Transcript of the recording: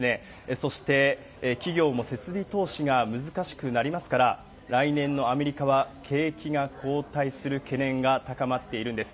そして、企業も設備投資が難しくなりますから、来年のアメリカは景気が後退する懸念が高まっているんです。